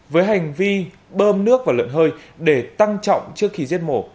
với hành vi bơm nước và lợn hơi để tăng trọng trước khi giết mổ